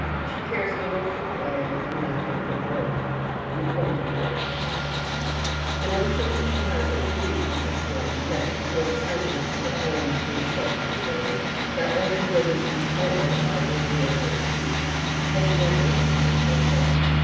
She cares little for play, and nothing for work, the appointed work of cats. The notion that she has a duty to perform, that she owes service to the home which shelters her, that only those who toil are worthy of their keep, has never entered her head.